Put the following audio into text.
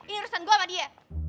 ini urusan gue sama dia